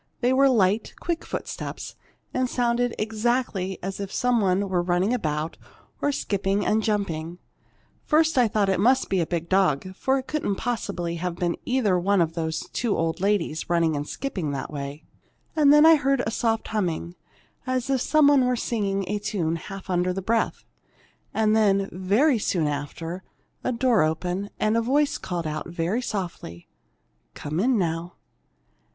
They were light, quick footsteps, and sounded exactly as if some one were running about, or skipping and jumping. First I thought it must be a big dog, for it couldn't possibly have been either one of those two old ladies, running and skipping that way! And then I heard a soft humming, as if some one were singing a tune half under the breath. And then, very soon after, a door opened, and a voice called out, very softly, 'Come in, now!'